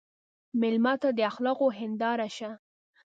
مېلمه ته د اخلاقو هنداره شه.